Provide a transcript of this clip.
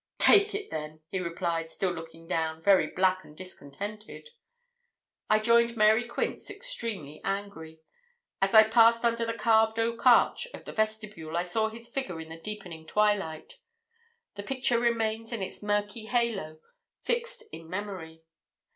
'Take it, then,' he replied, still looking down, very black and discontented. I joined Mary Quince, extremely angry. As I passed under the carved oak arch of the vestibule, I saw his figure in the deepening twilight. The picture remains in its murky halo fixed in memory.